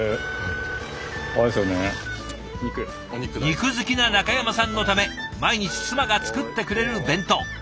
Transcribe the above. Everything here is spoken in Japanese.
肉好きな中山さんのため毎日妻が作ってくれる弁当。